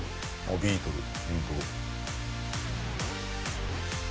ビートル。